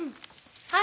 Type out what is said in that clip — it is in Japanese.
はい！